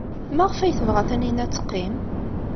Maɣef ay tebɣa Taninna ad teqqim?